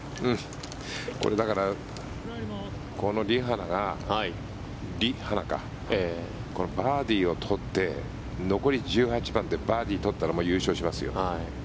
これ、だからこのリ・ハナがバーディーを取って残り１８番でバーディーを取ったらもう優勝しますよ。